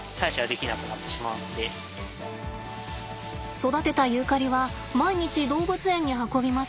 育てたユーカリは毎日動物園に運びます。